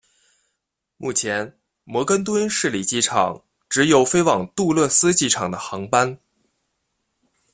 目前摩根敦市立机场只有飞往杜勒斯机场的航班。